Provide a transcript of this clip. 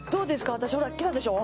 私ほらきたでしょ？